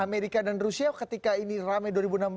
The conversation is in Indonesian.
amerika dan rusia ketika ini rame dua ribu enam belas